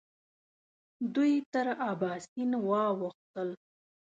دوی تر اباسین واوښتل.